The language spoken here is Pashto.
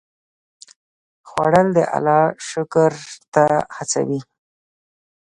خوړل د الله شکر ته هڅوي